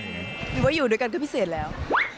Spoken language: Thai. หรือว่าอยู่ด้วยกันก็พิเศษแล้ว